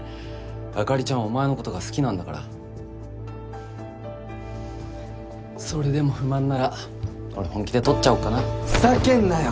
あかりちゃんはお前のことが好きなんだからそれでも不満なら俺本気で取っちゃおっかなふざけんなよ！